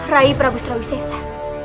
rai prabu sarawisesa